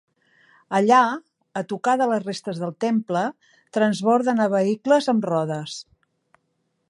Allà, a tocar de les restes del temple, transborden a vehicles amb rodes.